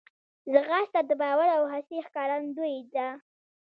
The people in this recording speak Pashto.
ځغاسته د باور او هڅې ښکارندوی ده